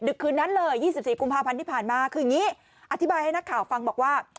คืนนั้นเลย๒๔กุมภาพันธ์ที่ผ่านมาคืออย่างนี้อธิบายให้นักข่าวฟังบอกว่า